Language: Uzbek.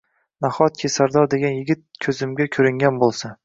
Nahotki, Sardor degan yigit ko`zimga ko`ringan bo`lsa